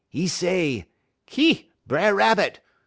'E say: "'Ki, B'er Rabbit!